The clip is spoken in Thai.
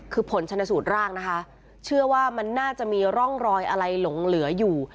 คือผลชนสูตรร่างนะคะเชื่อว่ามันน่าจะมีร่องรอยอะไรหลงเหลืออยู่